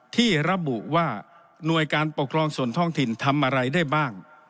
ที่ระบุว่าหน่วยการปกครองส่วนท้องถิ่นทำอะไรได้บ้าง